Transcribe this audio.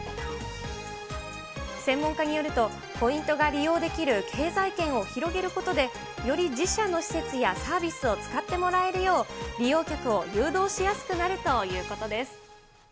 専門家によると、ポイントが利用できる経済圏を広げることで、より自社の施設やサービスを使ってもらえるよう、利用客を誘導しやすくなるということです。